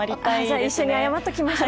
一緒に謝っておきましょう。